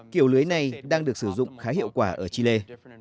kiểu lưới này đang được sử dụng khá hiệu quả ở chile